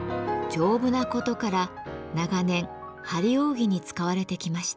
丈夫なことから長年張り扇に使われてきました。